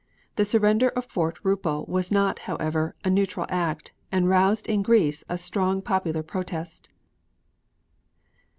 The surrender of Fort Rupel was not, however, a neutral act and roused in Greece a strong popular protest.